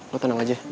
lo tenang aja